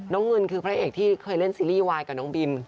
เงินคือพระเอกที่เคยเล่นซีรีส์วายกับน้องบิม